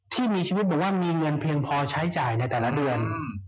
ที่มีชีวิตอยู่มีเงินเพียงพอใช้จ่ายทัแค่เดือน